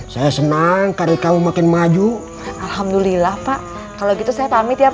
saya senang karir kamu makin maju alhamdulillah pak kalau gitu saya pamit ya pak